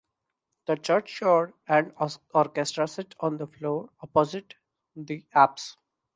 The church choir and orchestra sit on the floor opposite the apse.